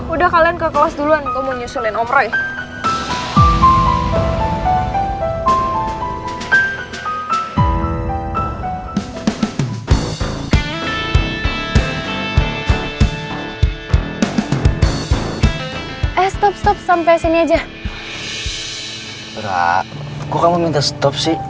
udah kok kamu minta stop sih